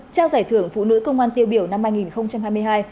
trao giải thưởng phụ nữ công an tiêu biểu năm hai nghìn hai mươi hai